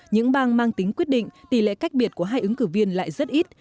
những bang mang tính quyết định tỷ lệ cách biệt của hai ứng cử viên lại rất ít